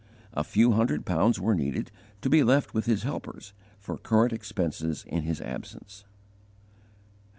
A few hundred pounds were needed, to be left with his helpers, for current expenses in his absence.